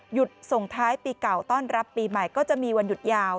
ส่งท้ายปีเก่าต้อนรับปีใหม่ก็จะมีวันหยุดยาว